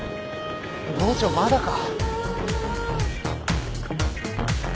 郷長まだか？